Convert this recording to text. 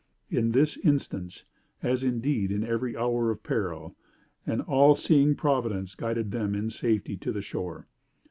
In this instance, as indeed in every hour of peril, an all seeing Providence guided them in safety to the shore.